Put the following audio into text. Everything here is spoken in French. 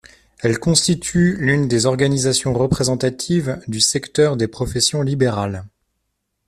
Elle constitue l'une des organisations représentatives du secteur des professions libérales.